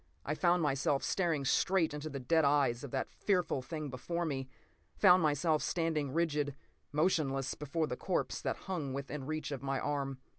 I found myself staring straight into the dead eyes of that fearful thing before me, found myself standing rigid, motionless, before the corpse that hung within reach of my arm.